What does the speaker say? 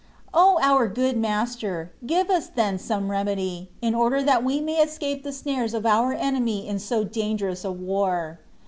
O OUR good Master! give us then some remedy, in order that we may escape the snares of our enemy in so dangerous a war.